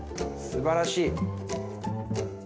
すばらしい。